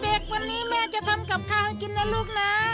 เด็กวันนี้แม่จะทำกับข้าวให้กินนะลูกนะ